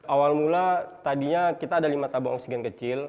awal mula tadinya kita ada lima tabung oksigen kecil